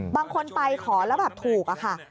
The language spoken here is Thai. บางคนไปขอแล้วแบบถูกอะค่ะ